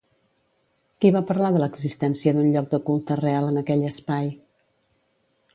Qui va parlar de l'existència d'un lloc de culte real en aquell espai?